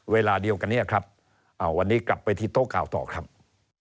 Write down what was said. เวลาเดียวกันเนี่ยครับวันนี้กลับไปที่โต๊ะเก่าต่อครับ